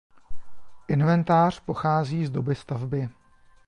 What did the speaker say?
Inventář pochází z doby stavby.